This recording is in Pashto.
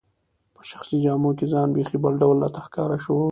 په شخصي جامو کي ځان بیخي بل ډول راته ښکاره شو.